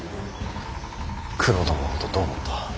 九郎殿のことどう思った。